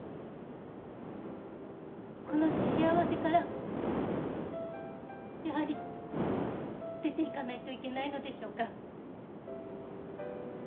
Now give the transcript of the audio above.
・この幸せからやはり出ていかないといけないのでしょうか？